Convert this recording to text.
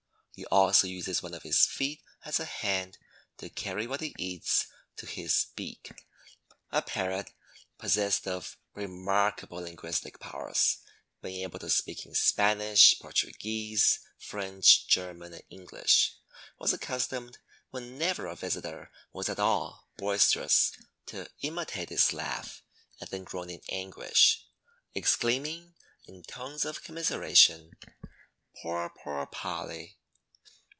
He also uses one of his feet as a hand to carry what he eats to his beak. A parrot possessed of remarkable linguistic powers, being able to speak in Spanish, Portuguese, French, German and English, was accustomed whenever a visitor was at all boisterous to imitate his laugh and then groan in anguish, exclaiming in tones of commiseration, "Poor, poor Polly!"